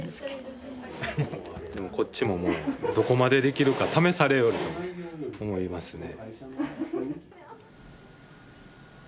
こっちももうどこまでできるか試されよるように思いますね。